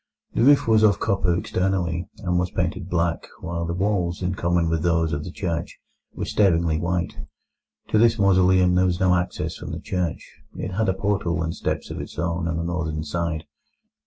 The roof was of copper externally, and was painted black, while the walls, in common with those of the church, were staringly white. To this mausoleum there was no access from the church. It had a portal and steps of its own on the northern side.